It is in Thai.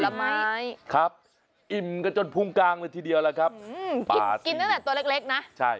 ไม้ครับอิ่มกันจนพุงกลางเลยทีเดียวล่ะครับกินกินตั้งแต่ตัวเล็กเล็กนะใช่